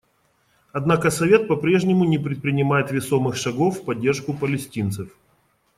Однако Совет по-прежнему не предпринимает весомых шагов в поддержку палестинцев.